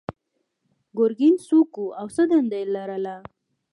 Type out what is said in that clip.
ګرګین څوک و او څه دنده یې لرله؟